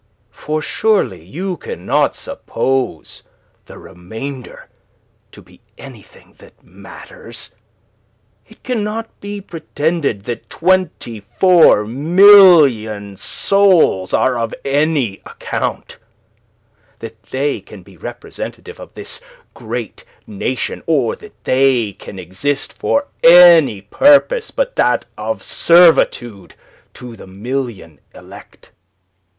For surely you cannot suppose the remainder to be anything that matters. It cannot be pretended that twenty four million souls are of any account, that they can be representative of this great nation, or that they can exist for any purpose but that of servitude to the million elect."